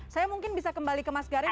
saya mungkin bisa kembali ke mas gary